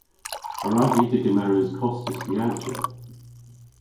A wrav vy degemeres kostys viajya?